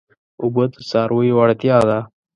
اوبه د څارویو اړتیا ده.